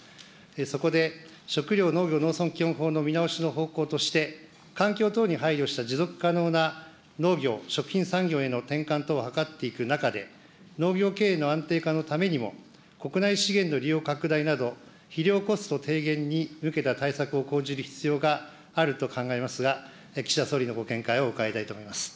そこで、食料・農業・農村基本法の見直しの方向として、環境等に配慮した持続可能な農業、食品産業への転換等を図っていく中で、農業経営の安定化のためにも、国内資源の利用拡大など、肥料コスト低減に向けた対策を講じる必要があると考えますが、岸田総理のご見解を伺いたいと思います。